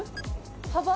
幅？